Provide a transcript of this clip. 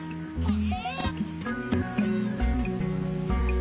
え！